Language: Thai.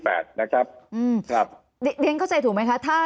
เรียนเข้าใจถูกไหมคะ